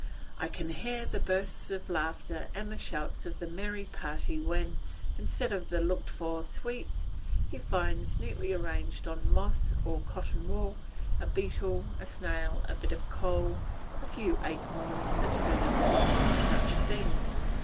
I can hear the bursts of laughter and the shouts of the merry party when, instead of the looked for sweets, he finds, neatly arranged on moss or cotton wool, a beetle, a snail, a bit of coal, a few acorns, a turnip, or some such thing.